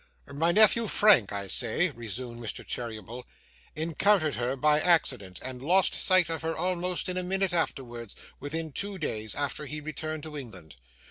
' My nephew, Frank, I say,' resumed Mr. Cheeryble, 'encountered her by accident, and lost sight of her almost in a minute afterwards, within two days after he returned to England.